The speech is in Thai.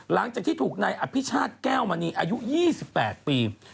หลังจากที่ถูกนายอภิชาติแก้วมณีอายุ๒๘ปี